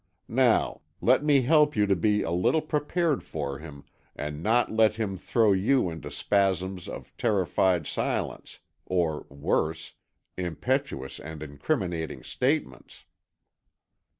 Now, let me help you to be a little prepared for him, and not let him throw you into spasms of terrified silence, or, worse, impetuous and incriminating statements."